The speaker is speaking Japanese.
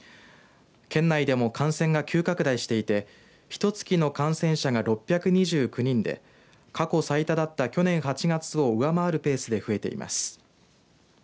県内でも感染が急拡大していてひとつきの感染者が６２９人で過去最多だった去年８月を上回るペースで増えています。